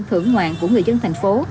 thưởng ngoạn của người dân thành phố